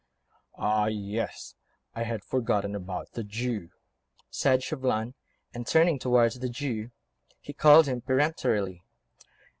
"Ah, yes; I had forgotten the Jew," said Chauvelin, and, turning towards the Jew, he called him peremptorily.